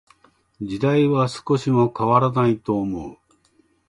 時代は少しも変らないと思う。